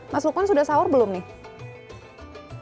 mas lukman sudah sahur belum nih